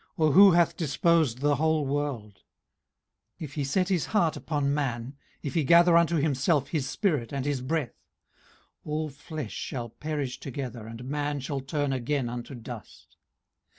or who hath disposed the whole world? 18:034:014 If he set his heart upon man, if he gather unto himself his spirit and his breath; 18:034:015 All flesh shall perish together, and man shall turn again unto dust.